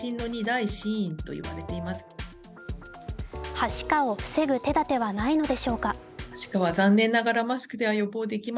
はしかを防ぐ手だてはないのでしょうか。